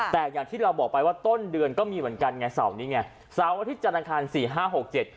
แต่อย่างที่เราบอกไปว่าต้นเดือนก็มีเหมือนกันไงเสาร์นี้ไงเสาร์อาทิตยจันทร์อังคารสี่ห้าหกเจ็ด